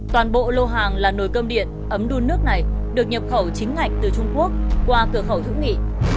toàn bộ lô hàng là nồi cơm điện ấm đun nước này được nhập khẩu chính ngạch từ trung quốc qua cửa khẩu hữu nghị